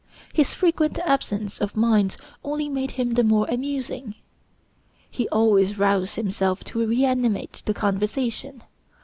His frequent absence of mind only made him the more amusing. He always roused himself to reanimate the conversation.